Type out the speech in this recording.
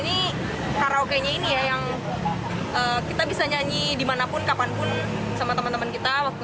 ini karaoke nya ini ya yang kita bisa nyanyi dimanapun kapanpun sama teman teman kita waktu